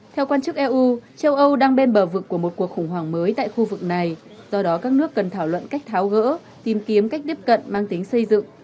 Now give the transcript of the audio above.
theo quan chức eu châu âu đang bên bờ vực của một cuộc khủng hoảng mới tại khu vực này do đó các nước cần thảo luận cách tháo gỡ tìm kiếm cách tiếp cận mang tính xây dựng